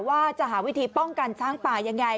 ว่าจะหาวิธีป้องกันช้างป่ายังไง